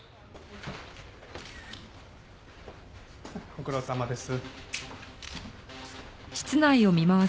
ご苦労さまです。